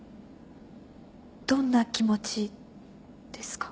どんな気持ちですか。